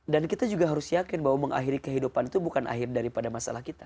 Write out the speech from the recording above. dan kita juga harus yakin bahwa mengakhiri kehidupan itu bukan akhir daripada masalah kita